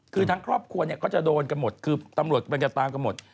คือทั้งครอบครัวเนี่ยก็จะโดนกันหมดคือตำรวจมันจะตามกันหมด